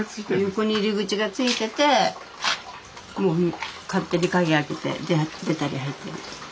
横に入り口が付いてて勝手に鍵開けて出たり入ったり。